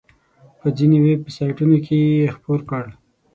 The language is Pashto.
په ځینو ویب سایټونو کې یې خپور کړ.